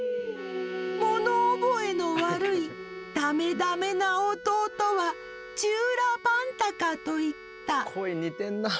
物覚えの悪いダメダメな弟はチューラパンタカといった声似てんなあ。